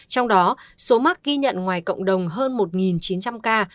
trong đó số mắc ghi nhận ngoài cộng đồng hơn một chín trăm linh ca